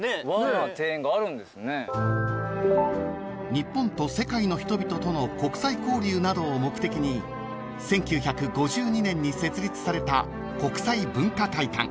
［日本と世界の人々との国際交流などを目的に１９５２年に設立された］